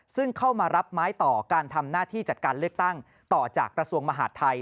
ซึ่งเข้ามารับไม้ต่อการทำหน้าที่จัดการเลือกตั้งต่อจากกระทรวงมหาดไทย